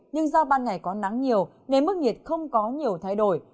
nhưng do ban ngày có nắng nhiều nên mức nhiệt không có nhiều thay đổi